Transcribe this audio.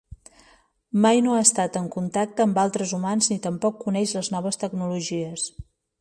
Mai no ha estat en contacte amb altres humans ni tampoc coneix les noves tecnologies.